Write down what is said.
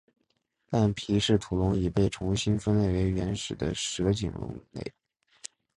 但皮氏吐龙已被重新分类为原始的蛇颈龙类。